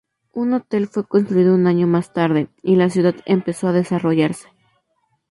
Un hotel fue construido un año más tarde, y la ciudad empezó a desarrollarse.